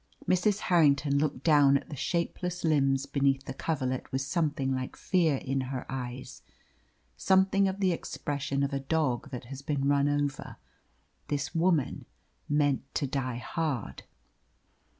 Mrs. Harrington looked down at the shapeless limbs beneath the coverlet with something like fear in her eyes, something of the expression of a dog that has been run over. This woman meant to die hard.